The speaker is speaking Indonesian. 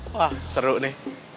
wah seru nih